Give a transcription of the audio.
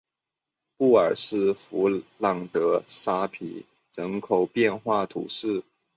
布尔斯弗朗勒沙皮人口变化图示